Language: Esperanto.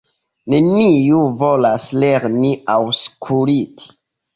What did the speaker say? Neniu volas lerni aŭskulti.